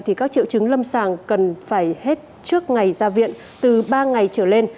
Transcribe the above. thì các triệu chứng lâm sàng cần phải hết trước ngày ra viện từ ba ngày trở lên